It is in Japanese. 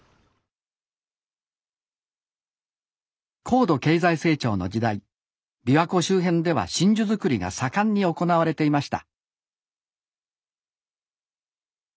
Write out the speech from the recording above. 高度経済成長の時代びわ湖周辺では真珠作りが盛んに行われていました